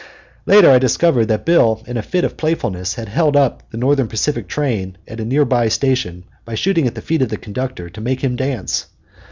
Later I discovered that Bill in a fit of playfulness had held up the Northern Pacific train at a near by station by shooting at the feet of the conductor to make him dance.